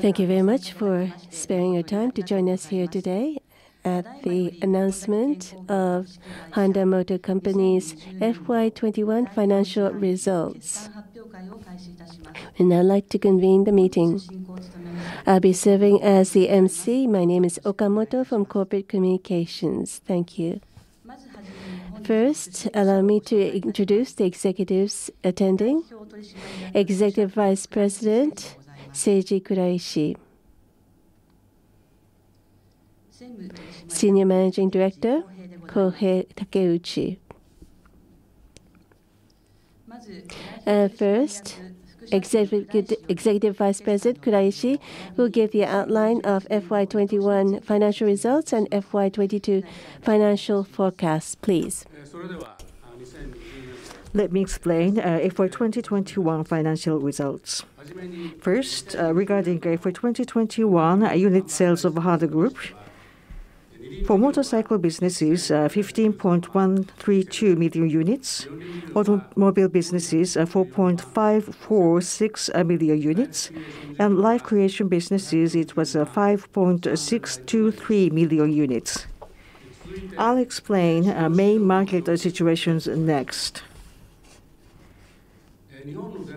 Thank you very much for sparing your time to join us here today at the announcement of Honda Motor Company's FY 2021 financial results. I'd like to convene the meeting. I'll be serving as the MC. My name is Okamoto from Corporate Communications. Thank you. First, allow me to introduce the executives attending. Executive Vice President, Seiji Kuraishi. Senior Managing Director, Kohei Takeuchi. First, Executive Vice President Kuraishi will give the outline of FY 2021 financial results and FY 2022 financial forecast, please. Let me explain FY 2021 financial results. First, regarding FY 2021 unit sales of the Honda Group. For motorcycle businesses, 15.132 million units. Automobile businesses, 4.546 million units. Life Creation businesses, it was 5.623 million units. I'll explain main market situations next.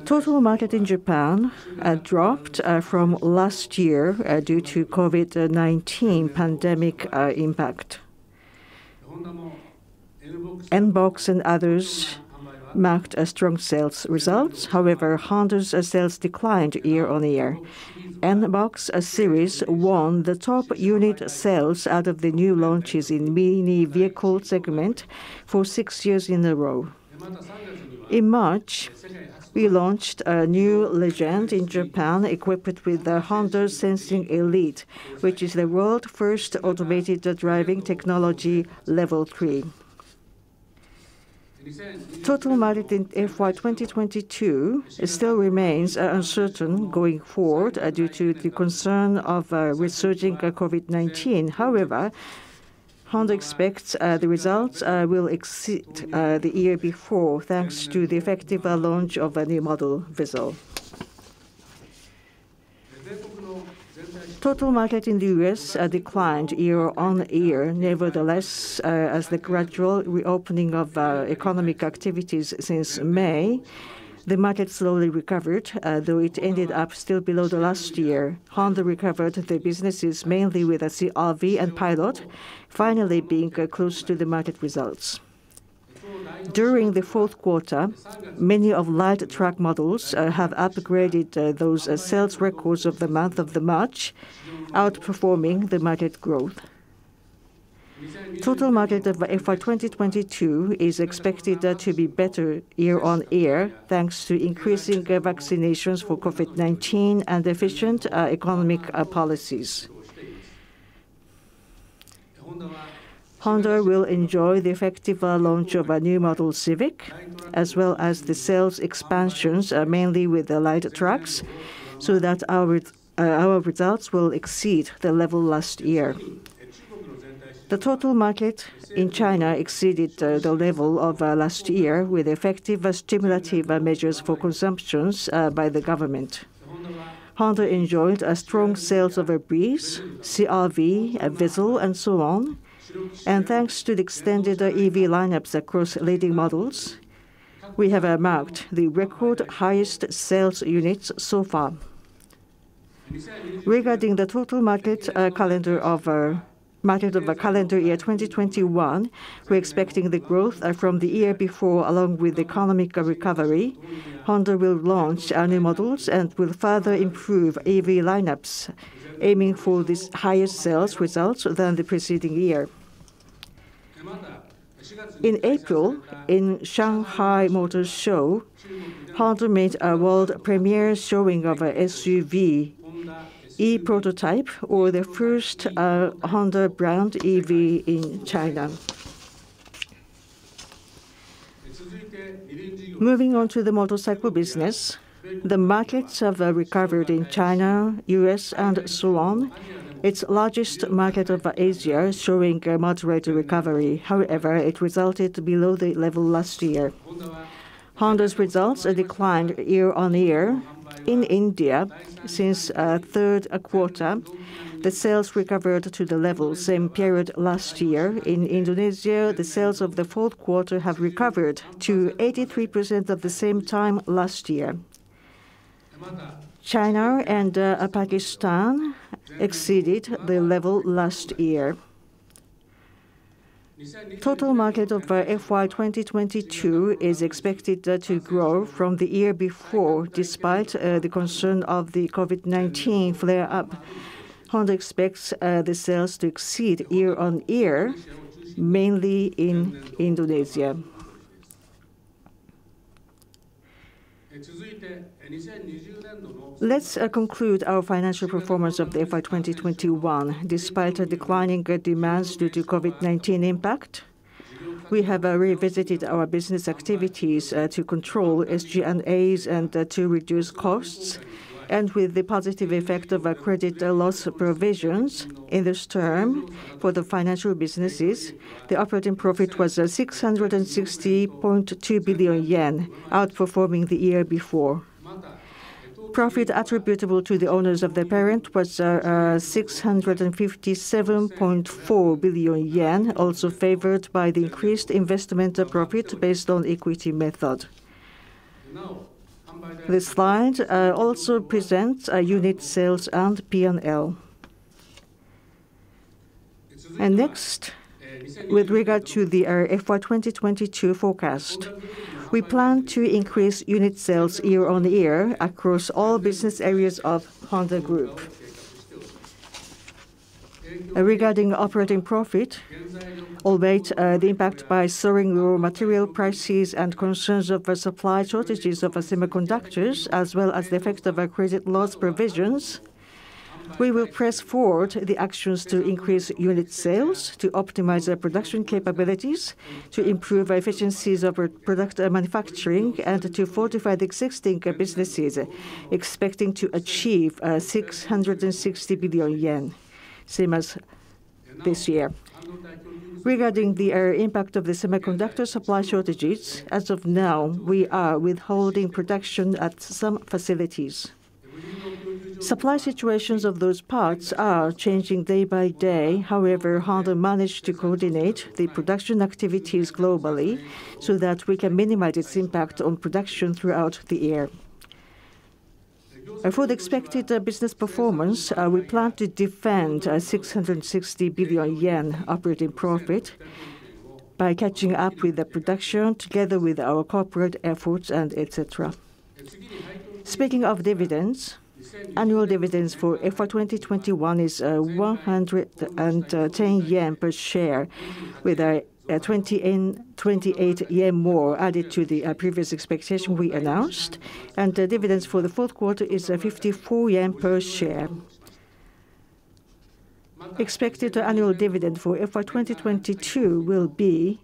Total market in Japan dropped from last year due to COVID-19 pandemic impact. N-BOX and others marked strong sales results. However, Honda's sales declined year-on-year. N-BOX Series won the top unit sales out of the new launches in mini vehicle segment for six years in a row. In March, we launched a new Legend in Japan equipped with the Honda Sensing Elite, which is the world's first automated driving technology Level 3. Total market in FY 2022 still remains uncertain going forward due to the concern of resurging COVID-19. However, Honda expects the results will exceed the year before, thanks to the effective launch of a new model, Vezel. Total market in the U.S. declined year-on-year. Nevertheless, as the gradual reopening of economic activities since May, the market slowly recovered. Though it ended up still below the last year. Honda recovered the businesses mainly with the CR-V and Pilot, finally being close to the market results. During the fourth quarter, many of light truck models have upgraded those sales records of the month of March, outperforming the market growth. Total market for FY 2022 is expected to be better year-on-year, thanks to increasing vaccinations for COVID-19 and efficient economic policies. Honda will enjoy the effective launch of a new model Civic, as well as the sales expansions mainly with the light trucks, so that our results will exceed the level last year. The total market in China exceeded the level of last year with effective stimulative measures for consumption by the government. Honda enjoyed strong sales of the Breeze, CR-V, Vezel, and so on. Thanks to the extended EV lineups across leading models, we have marked the record highest sales units so far. Regarding the total market calendar of FY 2021, we're expecting the growth from the year before along with economic recovery. Honda will launch new models and will further improve EV lineups, aiming for this highest sales results than the preceding year. In April, in Shanghai Motor Show, Honda made a world premiere showing of a SUV e:prototype or the first Honda brand EV in China. Moving on to the motorcycle business. The markets have recovered in China, U.S., and so on. Its largest market of Asia showing a moderate recovery. It resulted below the level last year. Honda's results declined year on year. In India, since third quarter, the sales recovered to the level same period last year. In Indonesia, the sales of the fourth quarter have recovered to 83% at the same time last year. China and Pakistan exceeded the level last year. Total market of FY 2022 is expected to grow from the year before despite the concern of the COVID-19 flare-up. Honda expects the sales to exceed year on year, mainly in Indonesia. Let's conclude our financial performance of FY 2021. Despite declining demands due to COVID-19 impact, we have revisited our business activities to control SG&As and to reduce costs. With the positive effect of credit loss provisions in this term for the financial businesses, the operating profit was at 660.2 billion yen, outperforming the year before. Profit attributable to the owners of the parent was JYP 657.4 billion, also favored by the increased investment of profit based on equity method. The slides also present unit sales and P&L. Next, with regard to the FY 2022 forecast, we plan to increase unit sales year on year across all business areas of Honda Group. Regarding operating profit, albeit the impact by soaring raw material prices and concerns over supply shortages of semiconductors, as well as the effect of our credit loss provisions, we will press forward the actions to increase unit sales, to optimize our production capabilities, to improve efficiencies of our product manufacturing, and to fortify the existing businesses, expecting to achieve JYP 660 billion, same as this year. Regarding the impact of the semiconductor supply shortages, as of now, we are withholding production at some facilities. Supply situations of those parts are changing day by day, however, Honda managed to coordinate the production activities globally so that we can minimize its impact on production throughout the year. For the expected business performance, we plan to defend 660 billion yen operating profit by catching up with the production together with our corporate efforts and et cetera. Speaking of dividends, annual dividends for FY 2021 is 110 yen per share, with 28 yen more added to the previous expectation we announced, and the dividends for the fourth quarter is 54 yen per share. Expected annual dividend for FY 2022 will be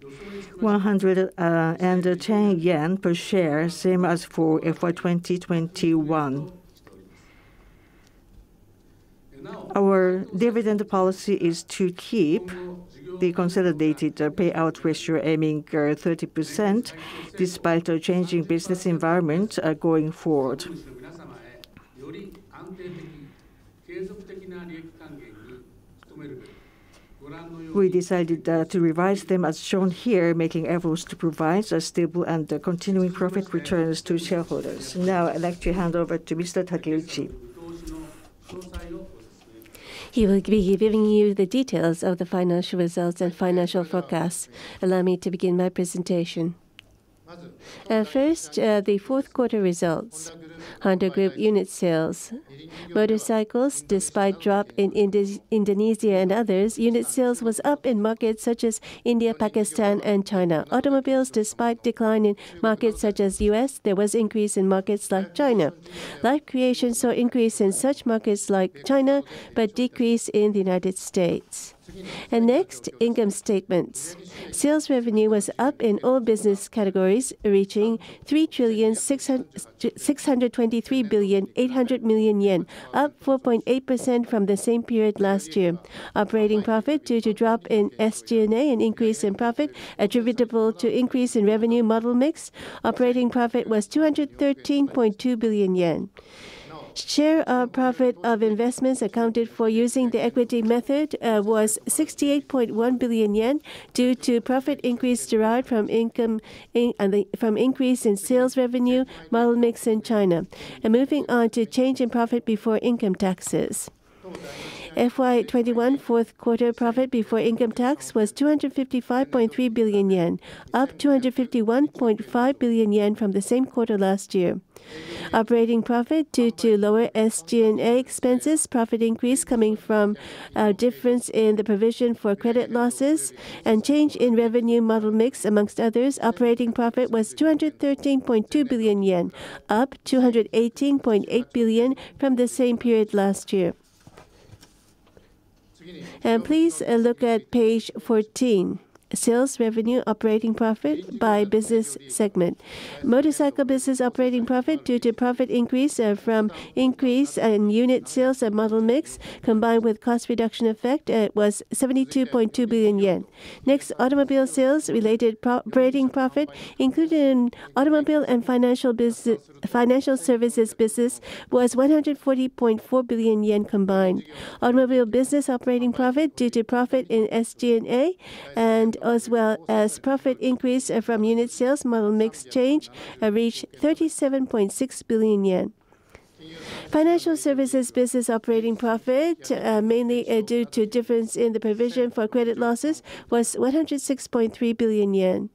110 yen per share, same as for FY 2021. Our dividend policy is to keep the consolidated payout ratio aiming 30%, despite our changing business environment going forward. We decided to revise them as shown here, making efforts to provide a stable and continuing profit returns to shareholders. Now, I'd like to hand over to Mr. Takeuchi. He will be giving you the details of the financial results and financial forecast. Allow me to begin my presentation. First, the fourth quarter results. Honda Group unit sales. Motorcycles, despite drop in Indonesia and others, unit sales was up in markets such as India, Pakistan, and China. Automobiles, despite decline in markets such as U.S., there was increase in markets like China. Life Creation saw increase in such markets like China, but decrease in the United States. Next, income statements. Sales revenue was up in all business categories, reaching 3,623,800,000,000 yen, up 4.8% from the same period last year. Operating profit, due to drop in SG&A and increase in profit attributable to increase in revenue model mix, operating profit was 213.2 billion yen. Share of profit of investments accounted for using the equity method was 68.1 billion yen, due to profit increase derived from increase in sales revenue model mix in China. Moving on to change in profit before income taxes. FY 2021 fourth quarter profit before income tax was 255.3 billion yen, up 251.5 billion yen from the same quarter last year. Operating profit, due to lower SG&A expenses, profit increase coming from difference in the provision for credit losses, and change in revenue model mix amongst others, operating profit was 213.2 billion yen, up 218.8 billion from the same period last year. Please look at page 14, sales revenue operating profit by business segment. Motorcycle business operating profit, due to profit increase and from increase in unit sales and model mix, combined with cost reduction effect, it was 72.2 billion yen. Automobile sales related operating profit, including automobile and financial services business, was 140.4 billion yen combined. Automobile business operating profit, due to profit in SG&A and as well as profit increase from unit sales model mix change, reached 37.6 billion yen. Financial services business operating profit, mainly due to difference in the provision for credit losses, was 106.3 billion yen.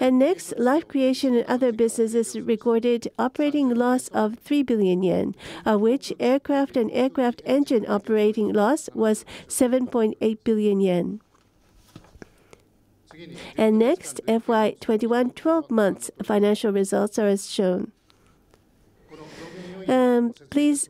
Next, Life Creation and other businesses recorded operating loss of 3 billion yen, of which aircraft and aircraft engine operating loss was 7.8 billion yen. Next, FY 2021 12 months financial results are as shown. Please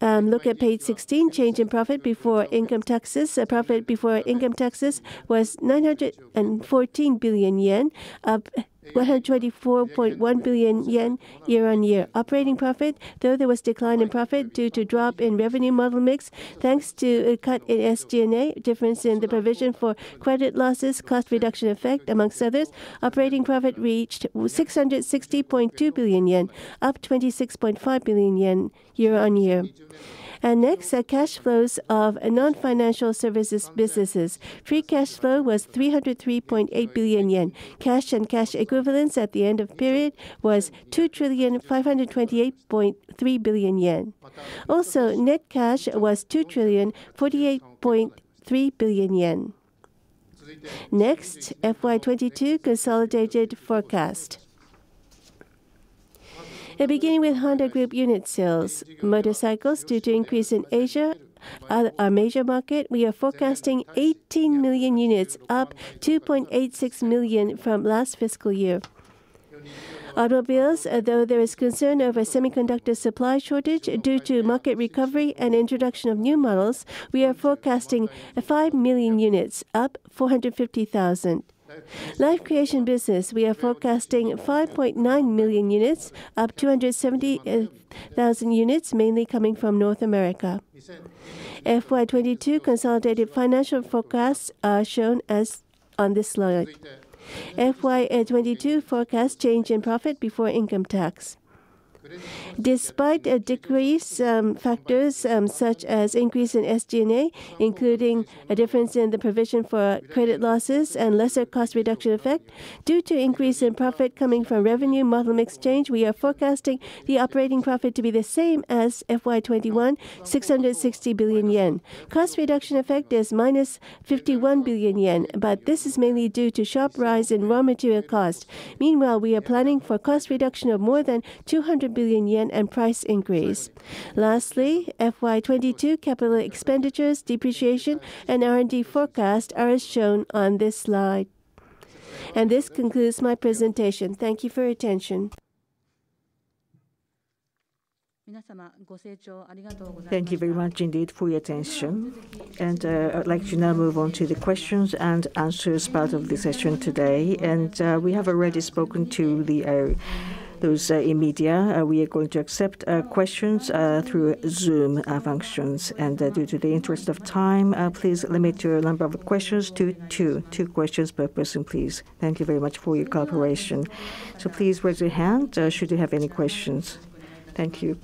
look at page 16, change in profit before income taxes. Profit before income taxes was 914 billion yen, up 124.1 billion yen year-on-year. Operating profit, though there was decline in profit due to drop in revenue model mix, thanks to a cut in SG&A, difference in the provision for credit losses, cost reduction effect, amongst others, operating profit reached 660.2 billion yen, up 26.5 billion yen year-on-year. Next, cash flows of non-financial services businesses. Free cash flow was 303.8 billion yen. Cash and cash equivalents at the end of period was 2 trillion, 528.3 billion yen. Also, net cash was 2 trillion, 48.3 billion yen. Next, FY 2022 consolidated forecast. Beginning with Honda Group unit sales. Motorcycles, due to increase in Asia, our major market, we are forecasting 18 million units, up 2.86 million from last fiscal year. Automobiles, though there is concern over semiconductor supply shortage, due to market recovery and introduction of new models, we are forecasting 5 million units, up 450,000. Life Creation business, we are forecasting 5.9 million units, up 270,000 units, mainly coming from North America. FY 2022 consolidated financial forecasts are shown on this slide. FY 2022 forecast change in profit before income tax. Despite a decrease factors such as increase in SG&A, including a difference in the provision for credit losses and lesser cost reduction effect, due to increase in profit coming from revenue model mix change, we are forecasting the operating profit to be the same as FY 2021, 660 billion yen. Cost reduction effect is minus 51 billion yen, but this is mainly due to sharp rise in raw material cost. Meanwhile, we are planning for cost reduction of more than 200 billion yen and price increase. Lastly, FY 2022 capital expenditures, depreciation, and R&D forecast are as shown on this slide. This concludes my presentation. Thank you for your attention. Thank you very much indeed for your attention. I'd like to now move on to the questions and answers part of the session today. We have already spoken to those in media. We are going to accept questions through Zoom functions, and due to the interest of time, please limit your number of questions to two. Two2 questions per person, please. Thank you very much for your cooperation. Please raise your hand should you have any questions. Thank you.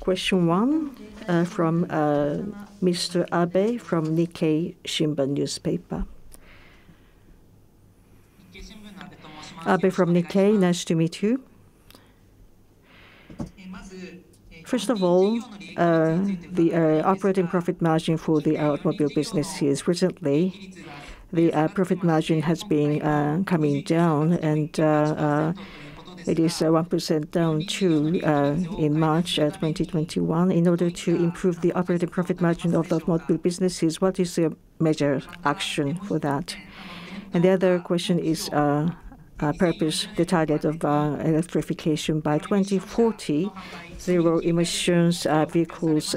Question one, from Mr. Abe from Nikkei Shimbun newspaper. Abe from Nikkei. Nice to meet you. First of all, the operating profit margin for the automobile business here is recently, the profit margin has been coming down, and it is 1% down too in March 2021. In order to improve the operating profit margin of the automobile businesses, what is the measure action for that? The other question is purpose, the target of electrification. By 2040, zero-emissions vehicles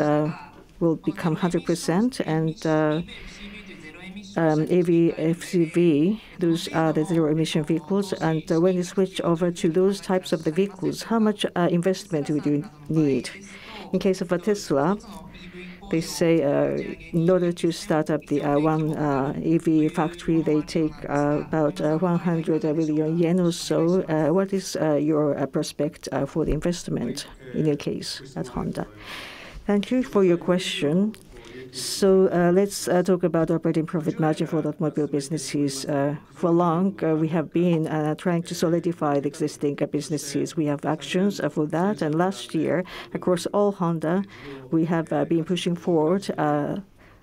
will become 100%, and EV FCV, those are the zero-emission vehicles. When you switch over to those types of vehicles, how much investment would you need? In case of a Tesla, they say in order to start up one EV factory, they take about 100 billion yen or so. What is your prospect for the investment in your case at Honda? Thank you for your question. Let's talk about operating profit margin for the automobile businesses. For long, we have been trying to solidify the existing businesses. We have actions for that. Last year, across all Honda, we have been pushing forward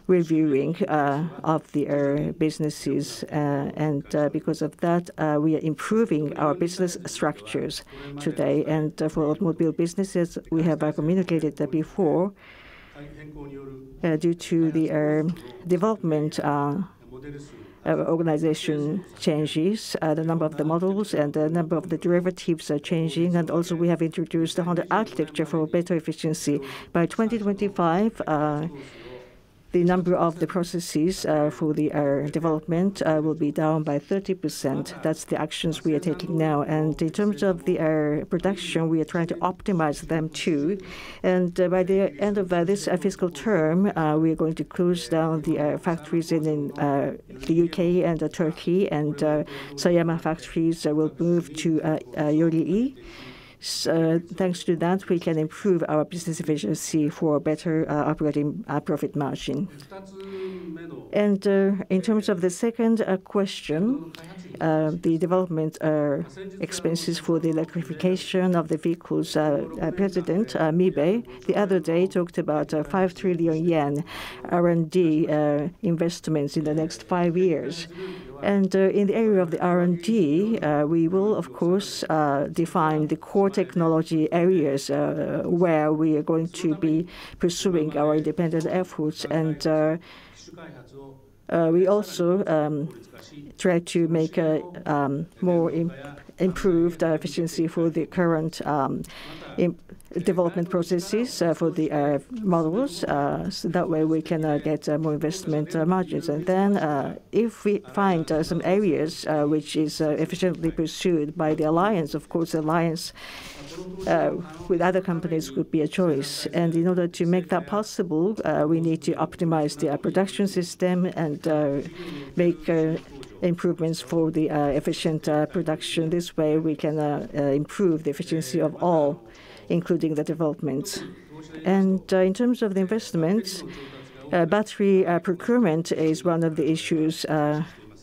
reviewing of the businesses. Because of that, we are improving our business structures today. For automobile businesses, we have communicated that before, due to the development organization changes, the number of the models and the number of the derivatives are changing. Also, we have introduced the Honda Architecture for better efficiency. By 2025, the number of the processes for the development will be down by 30%. That's the actions we are taking now. In terms of the production, we are trying to optimize them, too. By the end of this fiscal term, we're going to close down the factories in the U.K. and Turkey, Sayama factories will move to Yorii. Thanks to that, we can improve our business efficiency for better operating profit margin. In terms of the second question, the development expenses for the electrification of the vehicles. Our president, Mibe, the other day talked about 5 trillion yen R&D investments in the next five years. In the area of the R&D, we will, of course, define the core technology areas where we are going to be pursuing our independent efforts. We also try to make a more improved efficiency for the current development processes for the models, so that way we can get more investment margins. If we find some areas which is efficiently pursued by the alliance, of course, alliance with other companies could be a choice. In order to make that possible, we need to optimize the production system and make improvements for the efficient production. This way, we can improve the efficiency of all, including the development. In terms of investment, battery procurement is one of the issues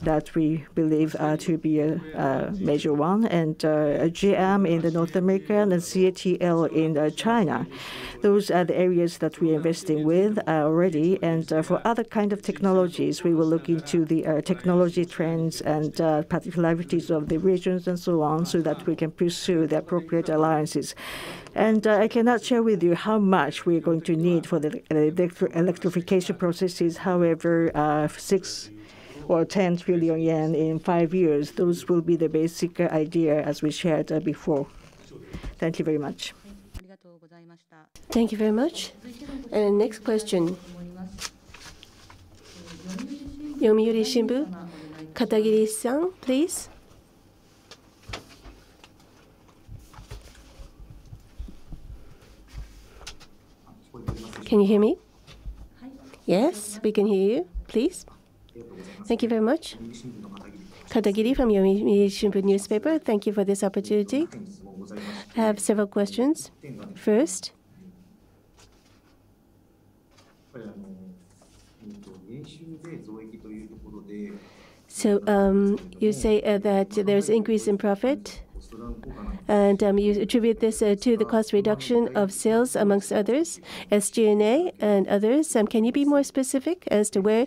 that we believe to be a major one, GM in North America and CATL in China, those are the areas that we're investing with already. For other kind of technologies, we will look into the technology trends and particularities of the regions and so on, so that we can pursue the appropriate alliances. I cannot share with you how much we're going to need for the electrification processes, however, six or ten trillion JPY in five years, those will be the basic idea as we shared before. Thank you very much. Thank you very much. Next question. Yomiuri Shimbun, Katagiri-san, please. Can you hear me? Yes, we can hear you. Please. Thank you very much. Katagiri from Yomiuri Shimbun newspaper. Thank you for this opportunity. I have several questions. First, you say that there's increase in profit, and you attribute this to the cost reduction of sales amongst others, SG&A and others. Can you be more specific as to where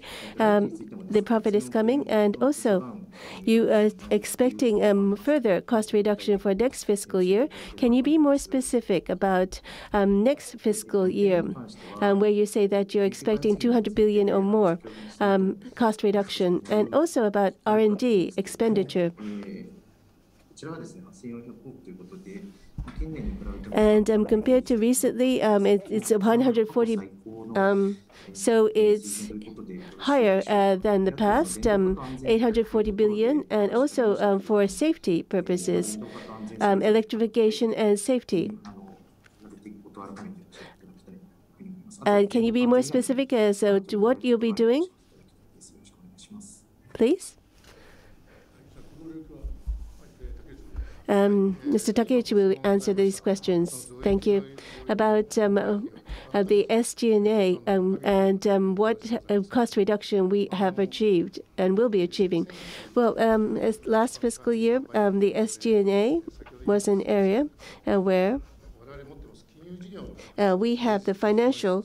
the profit is coming? Also, you are expecting further cost reduction for next fiscal year. Can you be more specific about next fiscal year, where you say that you're expecting 200 billion or more cost reduction and also about R&D expenditure. Compared to recently, it's higher than the past, 840 billion, also for safety purposes, electrification and safety. Can you be more specific as to what you'll be doing? Please. Mr. Kuraishi will answer these questions. Thank you. About the SG&A and what cost reduction we have achieved and will be achieving. Well, last fiscal year, the SG&A was an area where we have the financial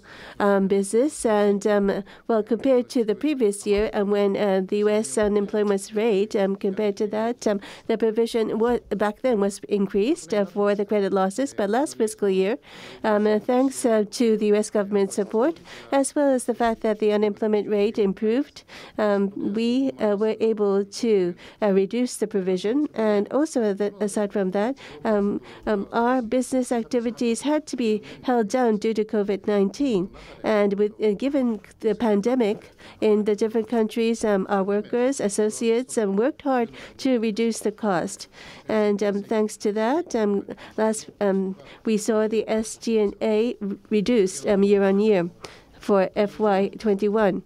business. Compared to the previous year when the U.S. unemployment rate, compared to that, the provision back then was increased for the credit losses. Last fiscal year, and thanks to the U.S. government support, as well as the fact that the unemployment rate improved, we were able to reduce the provision. Also aside from that, our business activities had to be held down due to COVID-19. Given the pandemic in the different countries, our workers, associates, worked hard to reduce the cost. Thanks to that, we saw the SG&A reduced year on year for FY 2021.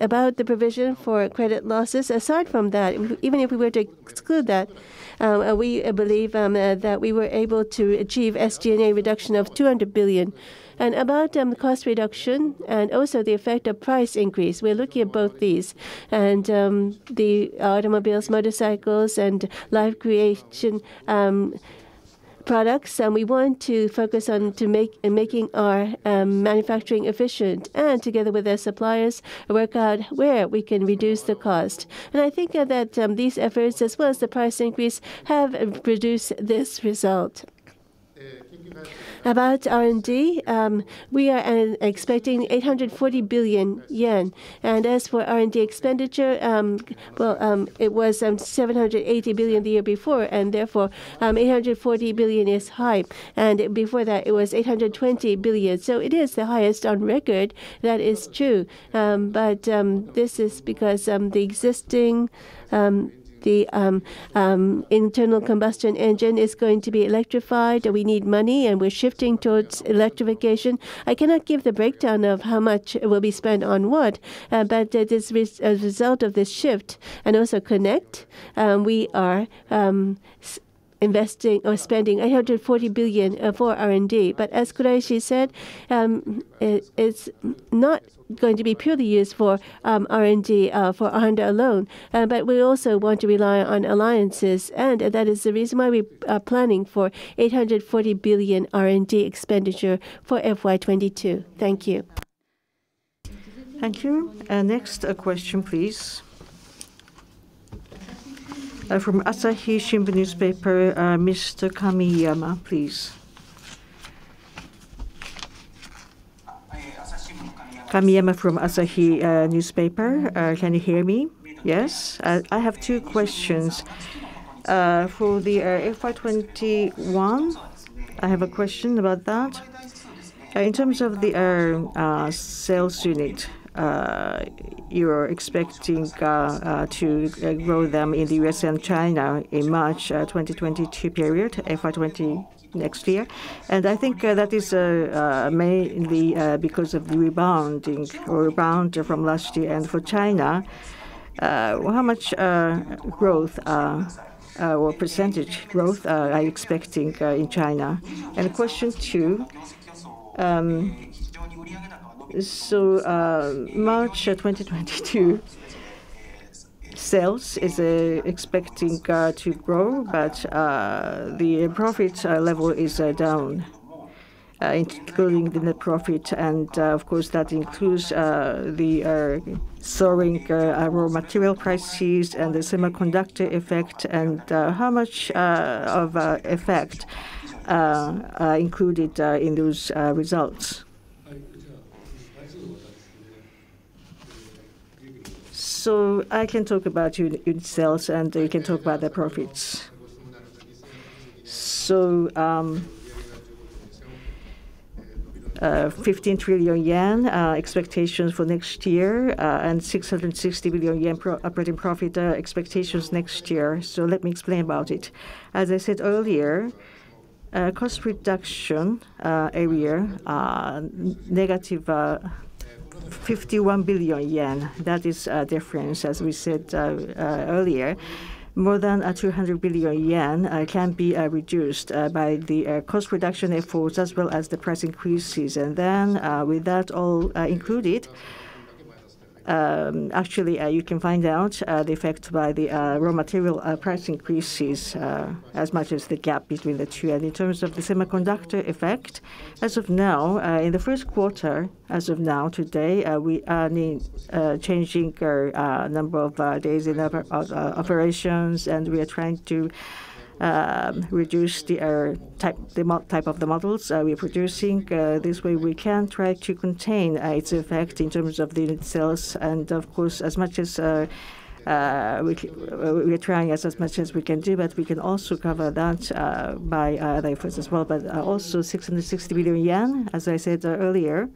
About the provision for credit losses, aside from that, even if we were to exclude that, we believe that we were able to achieve SG&A reduction of 200 billion. About cost reduction and also the effect of price increase, we're looking at both these. The automobiles, motorcycles, and Life Creation products, we want to focus on making our manufacturing efficient and together with our suppliers, work out where we can reduce the cost. I think that these efforts, as well as the price increase, have produced this result. About R&D, we are expecting 840 billion yen. As for R&D expenditure, well, it was 780 billion the year before, and therefore, 840 billion is high. Before that, it was 820 billion. It is the highest on record, that is true. This is because the existing internal combustion engine is going to be electrified, and we need money, and we are shifting towards electrification. I cannot give the breakdown of how much will be spent on what, but as a result of this shift and also CONNECT, we are investing or spending 840 billion for R&D. As Kohei Takeuchi said, it is not going to be purely used for R&D for Honda alone, but we also want to rely on alliances. That is the reason why we are planning for 840 billion R&D expenditure for FY 2022. Thank you. Thank you. Next question, please. From Asahi Shimbun Newspaper, Mr. Kamiyama, please. Asahi Shimbun Kamiyama. Kamiyama from Asahi Shimbun. Can you hear me? Yes. I have two questions. For the FY 2021, I have a question about that. In terms of the sales unit, you're expecting to grow them in the U.S. and China in March 2022 period, FY 2022 next year. I think that is mainly because of rebounding or rebound from last year. For China, how much growth or percentage growth are you expecting in China? Question two. March 2022 sales is expecting to grow, but the profit level is down, including the net profit and, of course, that includes the soaring raw material prices and the semiconductor effect. How much of a effect included in those results? I can talk about unit sales, and they can talk about the profits. 15 trillion yen expectations for next year, and 660 billion yen operating profit expectations next year. Let me explain about it. As I said earlier, cost reduction area, negative 51 billion yen. That is a difference. As we said earlier, more than 200 billion yen can be reduced by the cost reduction efforts as well as the price increases. With that all included, actually, you can find out the effect by the raw material price increases, as much as the gap between the two. In terms of the semiconductor effect, as of now, in the first quarter, as of now, today, we are changing our number of days in operations, and we are trying to reduce the type of the models we're producing. This way, we can try to contain its effect in terms of the unit sales. Of course, we're trying as much as we can do, we can also cover that by the efforts as well. 660 billion yen, as I said earlier.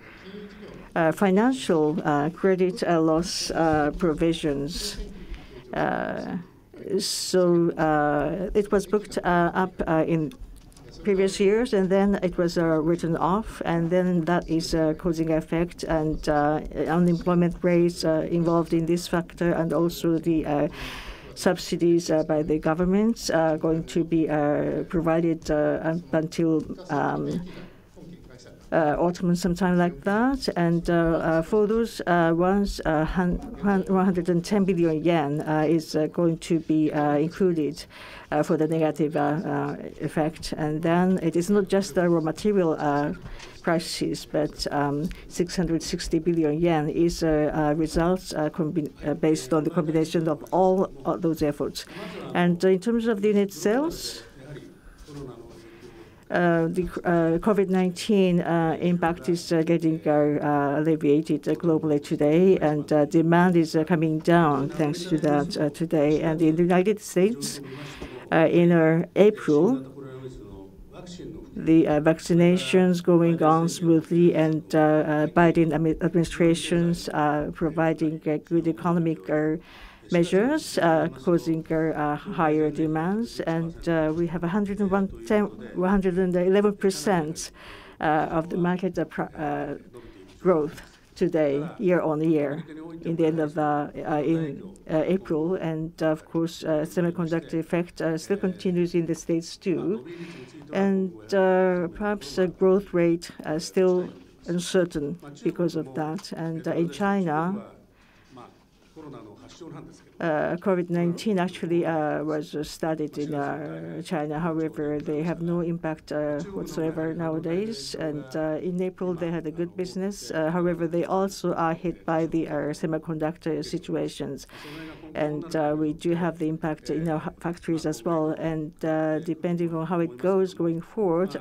Financial credit loss provisions. It was booked up in previous years, it was written off, that is causing effect. Unemployment rates involved in this factor and also the subsidies by the government are going to be provided up until autumn or sometime like that. For those ones, 110 billion yen is going to be included for the negative effect. It is not just the raw material prices, 660 billion yen is results based on the combination of all those efforts. In terms of the unit sales, the COVID-19 impact is getting alleviated globally today, and demand is coming down, thanks to that today. In the U.S., in April, the vaccination's going on smoothly, and Biden administration's providing good economic measures, causing higher demands. We have 111% of the market growth today, year-over-year, in the end of April. Of course, semiconductor effect still continues in the U.S., too. Perhaps growth rate still uncertain because of that. In China, COVID-19 actually was started in China. However, they have no impact whatsoever nowadays. In April, they had good business. However, they also are hit by the semiconductor situations. We do have the impact in our factories as well, and depending on how it goes going forward,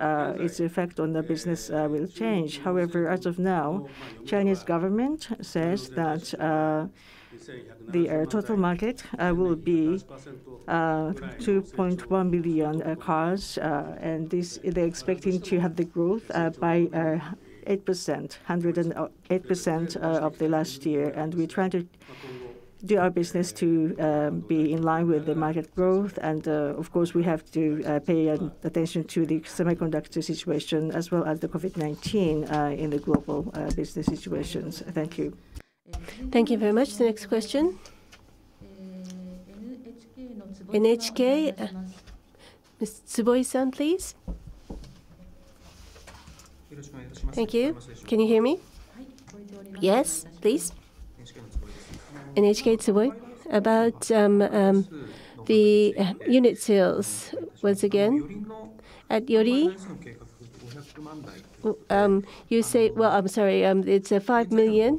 its effect on the business will change. However, as of now, Chinese government says that the total market will be 2.1 million cars. They're expecting to have the growth by 8%, 108% of the last year. We try to do our business to be in line with the market growth. Of course, we have to pay attention to the semiconductor situation as well as the COVID-19 in the global business situations. Thank you. Thank you very much. The next question. NHK. Ms. Tsuboi-san, please. Thank you. Can you hear me? Yes, please. About the unit sales once again at Yorii, you say, well, I'm sorry, it's 5 million.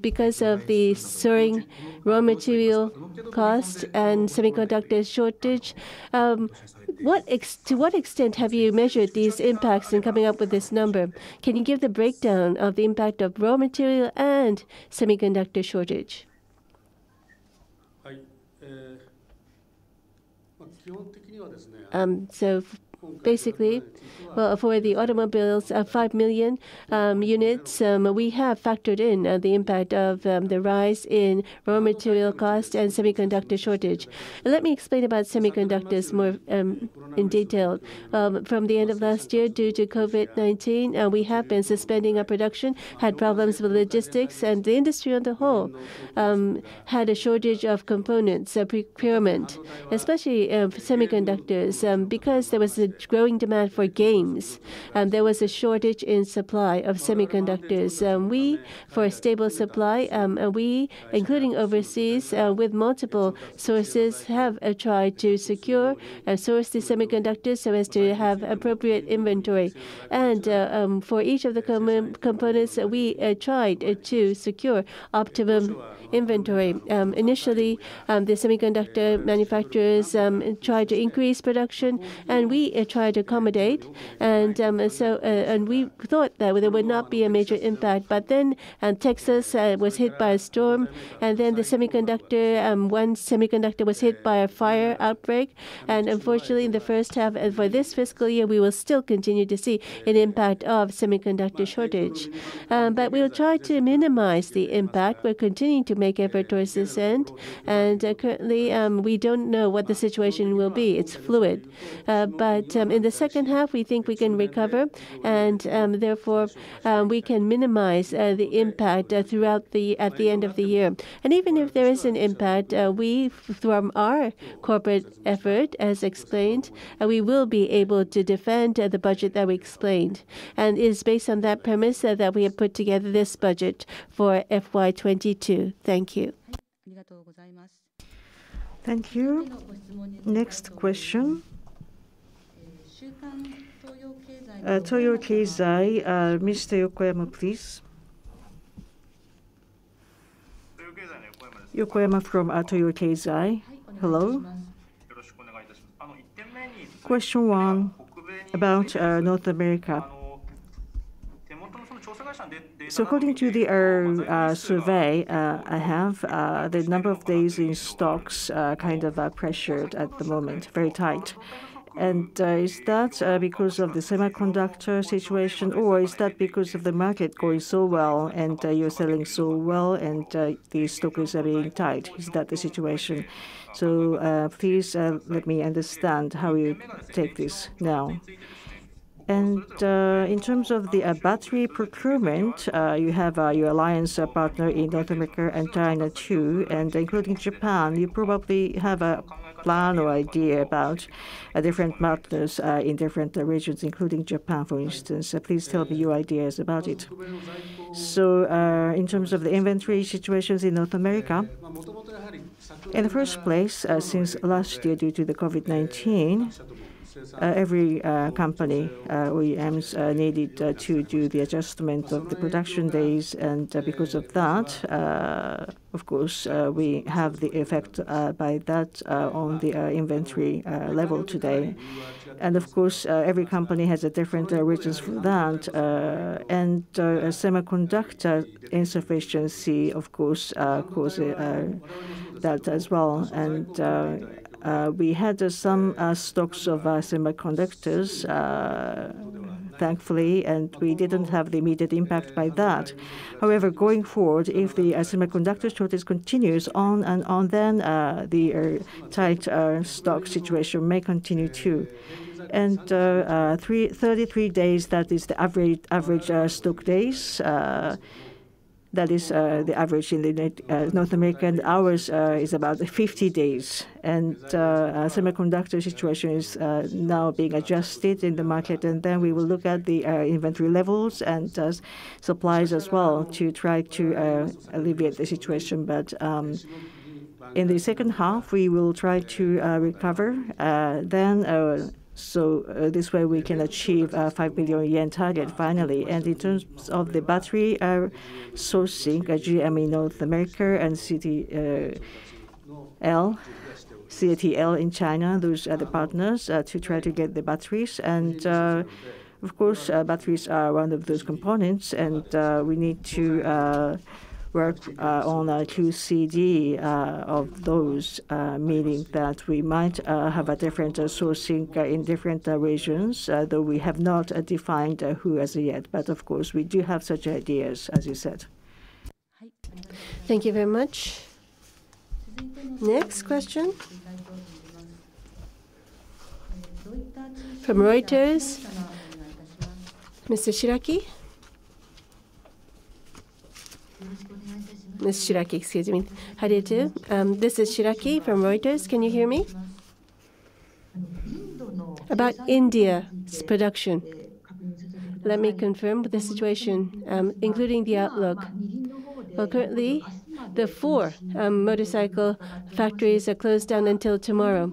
Because of the soaring raw material costs and semiconductor shortage, to what extent have you measured these impacts in coming up with this number? Can you give the breakdown of the impact of raw material and semiconductor shortage? Basically, for the automobiles, 5 million units, we have factored in the impact of the rise in raw material costs and semiconductor shortage. Let me explain about semiconductors more in detail. From the end of last year, due to COVID-19, we have been suspending our production, had problems with logistics, and the industry as a whole had a shortage of components, procurement, especially of semiconductors. Because there was a growing demand for games, there was a shortage in supply of semiconductors. For a stable supply, we, including overseas with multiple sources, have tried to secure a source of semiconductors so as to have appropriate inventory. For each of the components, we tried to secure optimum inventory. Initially, the semiconductor manufacturers tried to increase production, and we tried to accommodate, and we thought that there would not be a major impact. Then Texas was hit by a storm, and then one semiconductor was hit by a fire outbreak. Unfortunately, in the first half and for this fiscal year, we will still continue to see an impact of semiconductor shortage. We'll try to minimize the impact. We're continuing to make every choice this end, and currently, we don't know what the situation will be. It's fluid. In the second half, we think we can recover, and therefore, we can minimize the impact at the end of the year. Even if there is an impact, from our corporate effort, as explained, we will be able to defend the budget that we explained, and it is based on that premise that we have put together this budget for FY 2022. Thank you. Thank you. Next question. Toyo Keizai, Mr. Yokoyama, please. Yokoyama from Toyo Keizai. Hello. Question one, about North America. According to the survey I have, the number of days in stocks are kind of pressured at the moment, very tight. Is that because of the semiconductor situation, or is that because of the market going so well, and you're selling so well and the stocks are really tight? Is that the situation? Please let me understand how you take this now. In terms of the battery procurement, you have your alliance partner in North America and China too, and including Japan. You probably have a plan or idea about different markets in different regions, including Japan, for instance. Please tell me your ideas about it. In terms of inventory situations in North America, in the first place, since last year, due to the COVID-19, every company, we needed to do the adjustment of the production days, and because of that, of course, we have the effect by that on the inventory level today. Of course, every company has a different approach for that. Semiconductor insufficiency, of course, causes that as well. We had some stocks of semiconductors, thankfully, and we didn't have the immediate impact by that. However, going forward, if the semiconductor shortage continues on and on, then the tight stock situation may continue, too. 33 days, that is the average stock days. That is the average in North America. Ours is about 50 days. Semiconductor situation is now being adjusted in the market, and then we will look at the inventory levels and supplies as well to try to alleviate the situation. In the second half, we will try to recover then, so this way we can achieve 5 million unit target finally. In terms of the battery sourcing, as you may know, North America and CATL in China, those are the partners to try to get the batteries. Of course, batteries are one of those components, and we need to work on a QCD of those, meaning that we might have a different sourcing in different regions, though we have not defined who as yet. Of course, we do have such ideas, as you said. Thank you very much. Next question. From Reuters, Mr. Shiraki. Ms. Shiraki, excuse me. How do you do? This is Shiraki from Reuters. Can you hear me? About India's production, let me confirm the situation, including the outlook. Well, currently, the four motorcycle factories are closed down until tomorrow.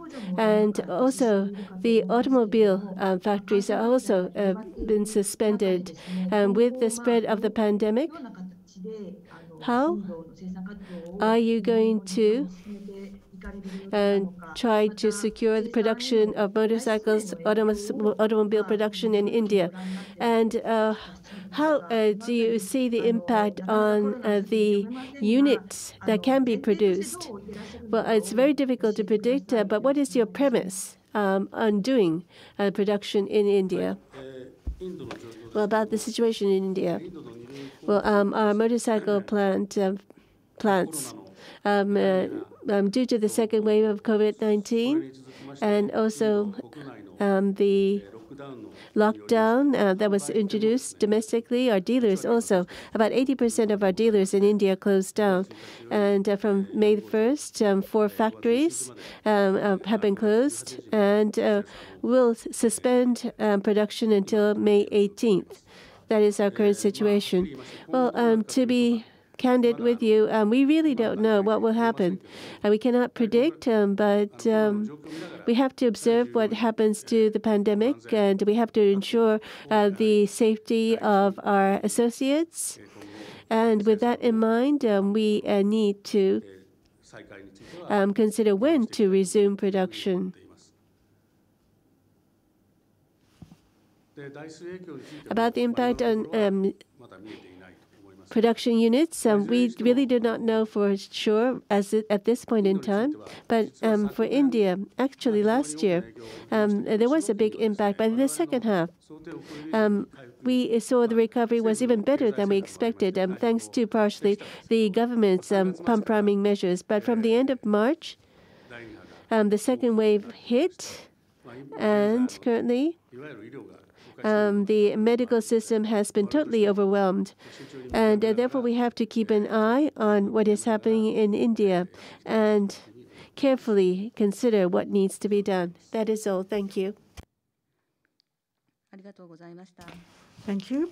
Also, the automobile factories have also been suspended. With the spread of the pandemic, how are you going to try to secure the production of motorcycles, automobile production in India, and how do you see the impact on the units that can be produced? Well, it's very difficult to predict, but what is your premise on doing production in India? Well, about the situation in India. Well, our motorcycle plants, due to the second wave of COVID-19 and also the lockdown that was introduced domestically, our dealers also, about 80% of our dealers in India closed down. From May 1st, four factories have been closed, and we'll suspend production until May 18th. That is our current situation. Well, to be candid with you, we really don't know what will happen. We cannot predict, but we have to observe what happens to the pandemic, and we have to ensure the safety of our associates. With that in mind, we need to consider when to resume production. About the impact on production units, we really do not know for sure at this point in time. For India, actually last year, there was a big impact. In the second half, we saw the recovery was even better than we expected, thanks to partially the government's pump priming measures. From the end of March, the second wave hit, and currently, the medical system has been totally overwhelmed. Therefore, we have to keep an eye on what is happening in India and carefully consider what needs to be done. That is all. Thank you. Thank you.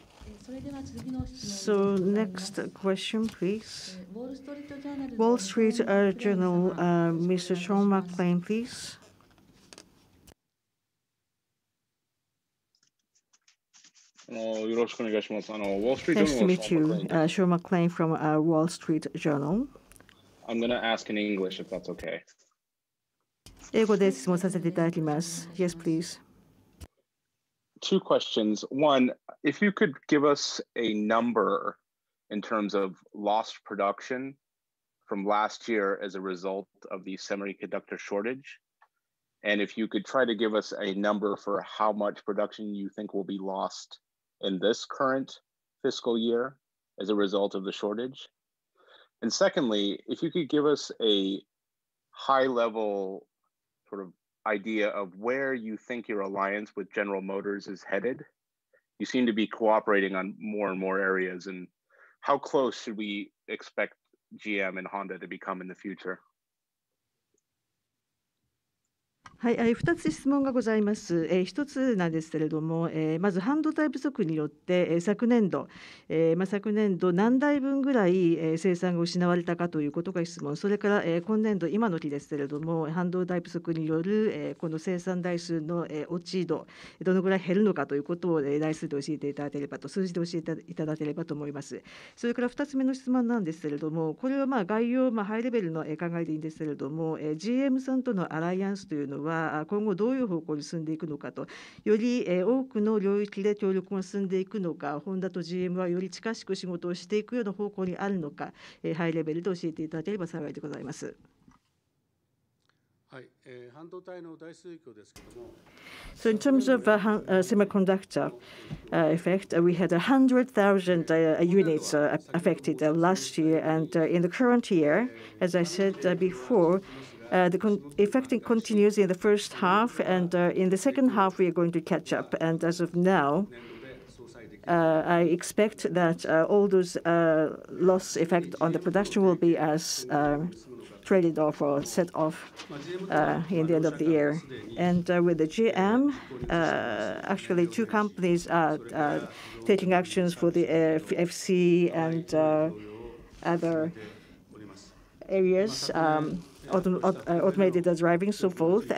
Next question, please. The Wall Street Journal, Mr. Sean McLain, please. Nice to meet you. Sean McLain from The Wall Street Journal. I'm going to ask in English, if that's okay. Yes, please. Two questions. One, if you could give us a number in terms of lost production from last year as a result of the semiconductor shortage, if you could try to give us a number for how much production you think will be lost in this current fiscal year as a result of the shortage. Secondly, if you could give us a high level sort of idea of where you think your alliance with General Motors is headed. You seem to be cooperating on more and more areas, how close should we expect GM and Honda to become in the future? In terms of semiconductor effect, we had 100,000 units affected last year. In the current year, as I said before, the effect continues in the first half, and in the second half, we are going to catch up. As of now, I expect that all those loss effect on the production will be as traded off or set off in the end of the year. With GM, actually two companies are taking actions for the FC and other areas, automated driving, so forth.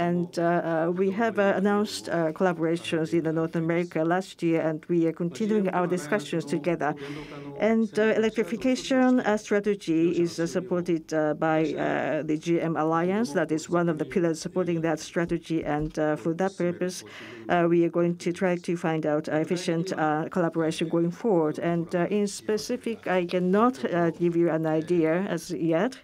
We have announced collaborations in North America last year, and we are continuing our discussions together. Electrification strategy is supported by the GM alliance. That is one of the pillars supporting that strategy. For that purpose, we are going to try to find out efficient collaboration going forward. In specific, I cannot give you an idea as yet.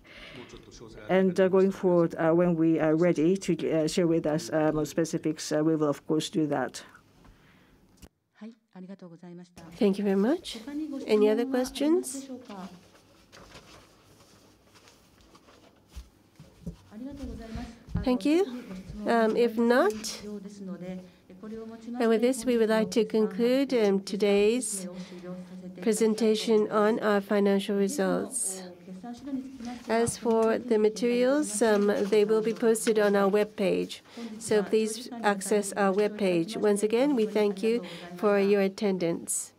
Going forward, when we are ready to share with us more specifics, we will of course do that. Thank you very much. Any other questions? Thank you. If not, and with this, we would like to conclude today's presentation on our financial results. As for the materials, they will be posted on our webpage, so please access our webpage. Once again, we thank you for your attendance.